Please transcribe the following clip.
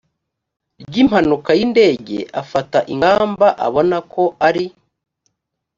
ry impanuka y indege afata ingamba abona ko ari